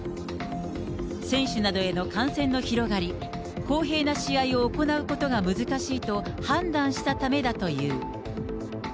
選手などへの感染の広がり、公平な試合を行うことが難しいと判断したためだという。